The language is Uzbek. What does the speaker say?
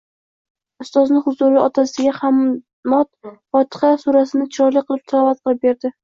Ustozni huzurida otasiga Hammod fotiha surasini chiroyli qilib tilovat qilib berdi